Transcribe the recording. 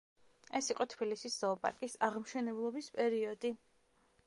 ეს იყო თბილისის ზოოპარკის აღმშენებლობის პერიოდი.